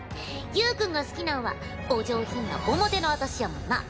ゆーくんが好きなんはお上品な表の私やもんな。